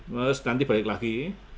terus nanti balik lagi